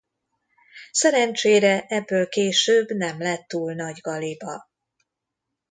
Szerencsére ebből később nem lett túl nagy galiba.